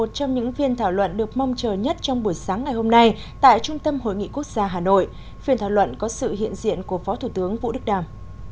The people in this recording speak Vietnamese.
một trong những phiên thảo luận được mong chờ nhất trong buổi sáng ngày hôm nay tại trung tâm hội nghị quốc gia hà nội phiên thảo luận có sự hiện diện của phó thủ tướng vũ đức đàm